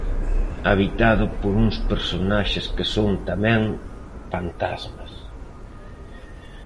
Habitado por uns personaxes que son, tamén, pantasmas.